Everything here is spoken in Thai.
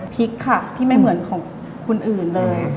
พริกค่ะที่ไม่เหมือนของคนอื่นเลย